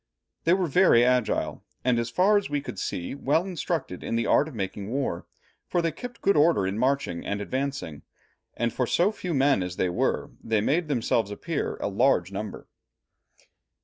They were very agile, and as far as we could see, well instructed in the art of making war, for they kept good order in marching and advancing, and for so few men as they were, they made themselves appear a large number."